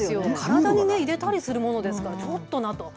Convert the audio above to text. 体に入れたりするものですからちょっとなと。